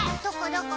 どこ？